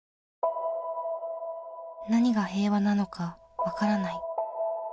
何が平和なのかわからない。